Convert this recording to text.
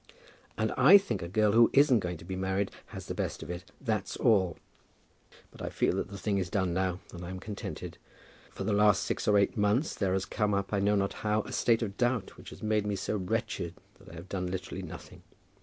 "And I think a girl who isn't going to be married has the best of it; that's all. But I feel that the thing is done now, and I am contented. For the last six or eight months there has come up, I know not how, a state of doubt which has made me so wretched that I have done literally nothing.